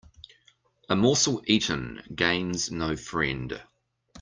A morsel eaten gains no friend.